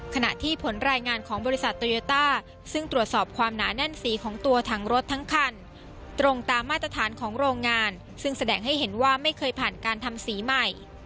ขณะที่ผลรายงานของบริษัทโตโยต้าซึ่งตรวจสอบความหนาแน่นสีของตัวถังรถทั้งคันตรงตามมาตรฐานของโรงงานซึ่งแสดงให้เห็นว่าไม่เคยผ่านการทำสีใหม่